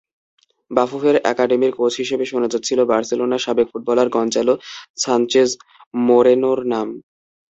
বাফুফের একাডেমির কোচ হিসেবে শোনা যাচ্ছিল বার্সেলোনার সাবেক ফুটবলার গঞ্জালো সানচেজ মোরেনোর নাম।